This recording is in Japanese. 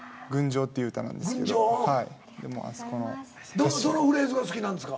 どのフレーズが好きなんですか？